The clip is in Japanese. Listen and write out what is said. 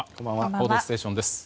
「報道ステーション」です。